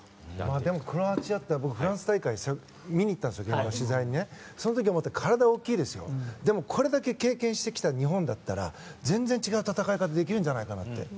でもクロアチアって僕、フランス大会を取材で見に行ったんですけど向こうは体が大きいですけどでも、これだけ経験してきた日本だったら全然違う戦い方ができるんじゃないかなって。